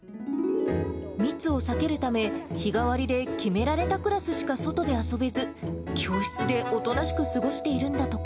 密を避けるため、日替わりで決められたクラスしか外で遊べず、教室でおとなしく過ごしているんだとか。